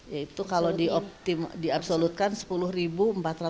yaitu kalau diabsolutkan sepuluh empat ratus delapan puluh tujuh anak